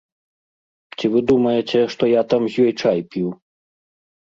Ці вы думаеце, што я там з ёй чай піў?